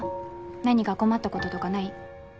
何か困ったこととかない？